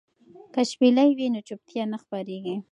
که شپېلۍ وي نو چوپتیا نه خپریږي.